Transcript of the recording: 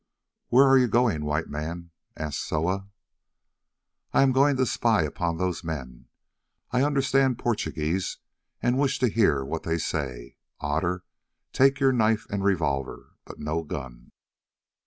"Where are you going, White Man?" asked Soa. "I am going to spy upon those men. I understand Portuguese, and wish to hear what they say. Otter, take your knife and revolver, but no gun."